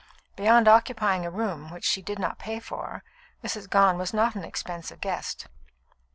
Beyond occupying a room which she did not pay for, Mrs. Gone was not an expensive guest.